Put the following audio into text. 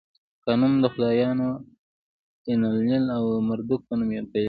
قانون د خدایانو آنو، اینلیل او مردوک په نوم پیلېږي.